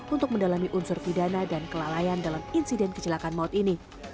untuk mendalami unsur pidana dan kelalaian dalam insiden kecelakaan maut ini